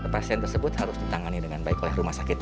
pasien tersebut harus ditangani dengan baik oleh